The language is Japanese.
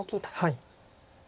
はい。